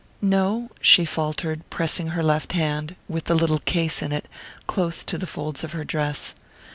"No," she faltered, pressing her left hand, with the little case in it, close to the folds of her dress.